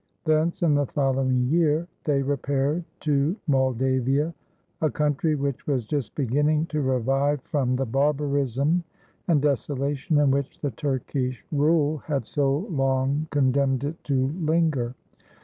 Thence, in the following year, they repaired to Moldavia a country which was just beginning to revive from the barbarism and desolation in which the Turkish rule had so long condemned it to linger.